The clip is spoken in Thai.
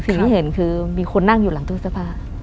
สิ่งที่เห็นคือมีคนนั่งอยู่หลังตู้เสื้อผ้า